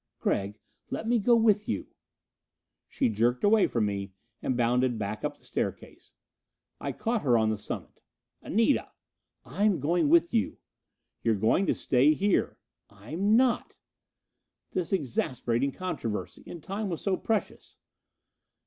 "Gregg, let me go with you." She jerked away from me and bounded back up the staircase. I caught her on the summit. "Anita!" "I'm going with you." "You're going to stay here." "I'm not!" This exasperating controversy! And time was so precious!